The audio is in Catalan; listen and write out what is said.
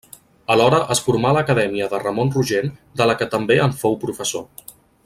Alhora es formà a l'acadèmia de Ramon Rogent de la que també en fou professor.